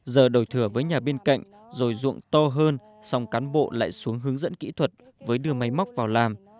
giờ đổi thừa với nhà bên cạnh rồi dụng to hơn xong cán bộ lại xuống hướng dẫn kỹ thuật với đưa máy móc vào làm